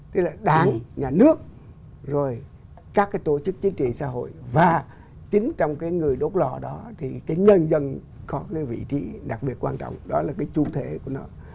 tức là đảng nhà nước rồi các cái tổ chức chính trị xã hội và chính trong cái người đốt lò đó thì cái nhân dân có cái vị trí đặc biệt quan trọng đó là cái chủ thể của nó